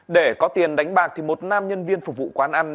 để có tiền đánh bạc thì một nam nhân viên phục vụ quán ăn